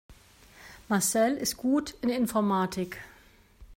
Marcel ist gut in Informatik.